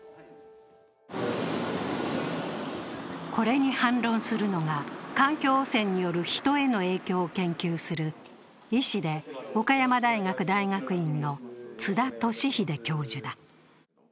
これに反論するのが環境汚染による人への影響を研究する医師で岡山大学大学院の津田敏秀教授だ。